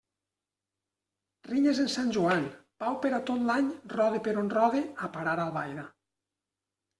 Rinyes en Sant Joan, pau per a tot l'any Rode per on rode, a parar a Albaida.